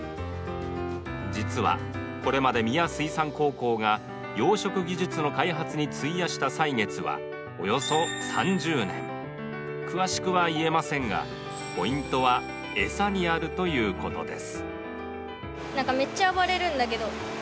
実はこれまで三谷水産高校が養殖技術の開発に費やした歳月はおよそ３０年詳しくは言えませんがポイントはエサにあるということです